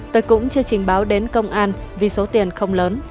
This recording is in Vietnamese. tôi cũng chưa trình báo đến công an vì số tiền không lớn